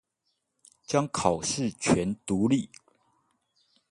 將考試權獨立